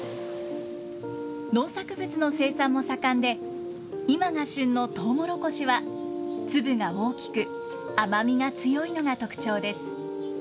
農作物の生産も盛んで今が旬のとうもろこしは粒が大きく甘みが強いのが特徴です。